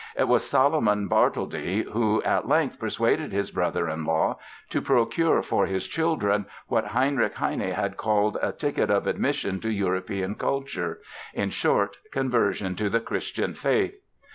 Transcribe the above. It was Salomon Bartholdy who at length persuaded his brother in law to procure for his children what Heinrich Heine had called "a ticket of admission to European culture"—in short, conversion to the Christian faith.